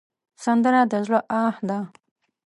سندره د زړه آه ده